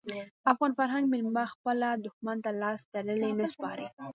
افغان فرهنګ میلمه خپل دښمن ته لاس تړلی نه سپاري.